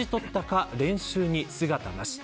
大事取ったか練習に姿なし。